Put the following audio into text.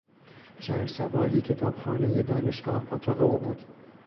چند صباحی کتابخانهی دانشگاه پاتوق او بود.